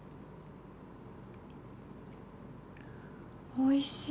おいしい！